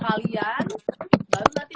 kalian baru nanti